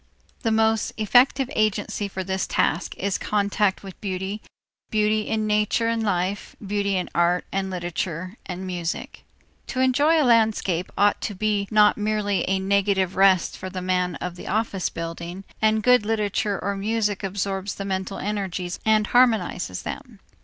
The most effective agency for this task is contact with beauty, beauty in nature and life, beauty in art and literature and music. To enjoy a landscape ought to be not merely a negative rest for the man of the office building, and good literature or music absorbs the mental energies and harmonizes them.